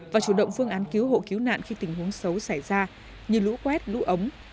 và chủ động phương án cứu hộ cứu nạn khi tình huống xấu xảy ra như lũ quét lũ ống